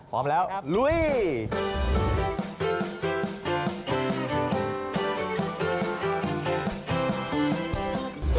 พร้อมแล้วลุยครับ